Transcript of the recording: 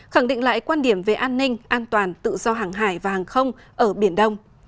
khẳng định lại quan điểm về an ninh an toàn tự do hàng hải và hàng không ở biển đông